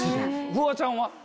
フワちゃんは？